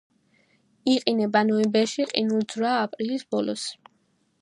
იყინება ნოემბერში, ყინულძვრაა აპრილის ბოლოს.